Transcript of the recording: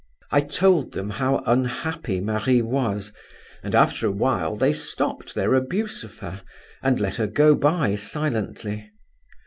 "I told them how unhappy Marie was, and after a while they stopped their abuse of her, and let her go by silently.